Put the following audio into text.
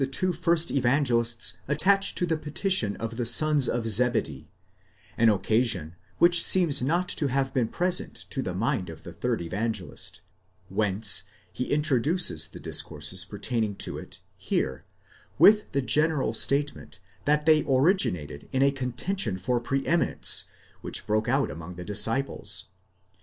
two first Evangelists attach to the petition of the sons of Zebedee, an occasion which seems not to have been present to the mind of the third Evangelist, whence he introduces the discourses pertaining to it here, with the general statement that they originated in a contention for pre eminence, which broke out among the disciples.